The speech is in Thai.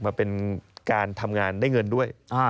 มาเป็นการทำงานได้เงินด้วย